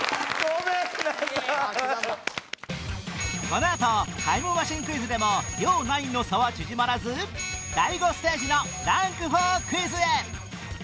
このあとタイムマシンクイズでも両ナインの差は縮まらず第５ステージのランク４クイズへ